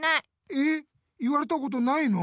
えっ言われたことないの？